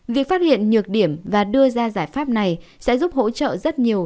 việc phát hiện nhược điểm và đưa ra giải pháp này sẽ giúp hỗ trợ rất nhiều